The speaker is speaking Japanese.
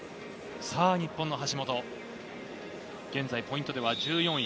日本の橋本、現在ポイントでは１４位。